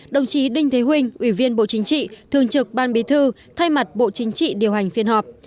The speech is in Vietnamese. đồng chí đinh thế ủy viên bộ chính trị thường trực ban bí thư thay mặt bộ chính trị điều hành phiên họp